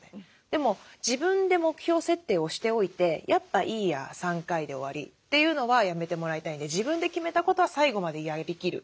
でも自分で目標設定をしておいて「やっぱいいや３回で終わり」というのはやめてもらいたいんで自分で決めたことは最後までやりきる。